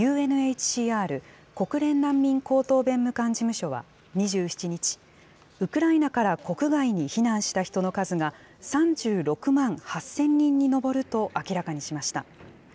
ＵＮＨＣＲ・国連難民高等弁務官事務所は２７日、ウクライナから国外に避難した人の数が３６万８０００人に上ると明らかにしました。